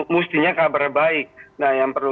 mestinya kabar baik nah yang perlu